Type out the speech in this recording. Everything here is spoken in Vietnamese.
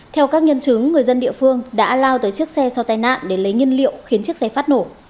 theo các nhân chứng người dân địa phương đã lao tới chiếc xe sau tai nạn để lấy nhân liệu khiến chiếc xe phát nổ